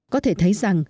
có thể thấy rằng